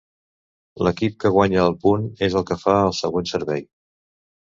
L'equip que guanya el punt és el que fa el següent servei.